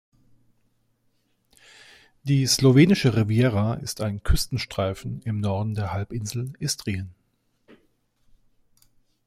Die slowenische Riviera ist ein Küstenstreifen im Norden der Halbinsel Istrien.